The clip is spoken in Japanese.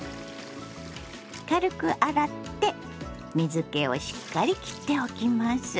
軽く洗って水けをしっかりきっておきます。